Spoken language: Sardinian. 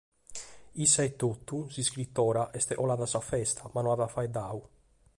Issa etotu, s’iscritora, est colada a sa festa, ma no at faeddadu.